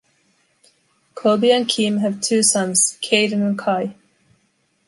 Cobi and Kim have two sons, Cayden and Cai.